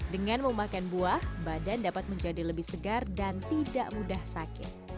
dengan memakan buah badan dapat menjadi lebih segar dan tidak mudah sakit